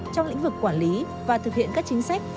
trong lĩnh vực quản lý và thực hiện các chính sách